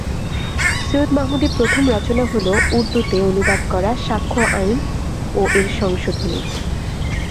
সৈয়দ মাহমুদের প্রথম রচনা হল উর্দুতে অনুবাদ করা সাক্ষ্য আইন ও এর সংশোধনী।